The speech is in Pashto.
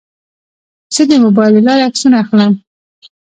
زه د موبایل له لارې عکسونه اخلم.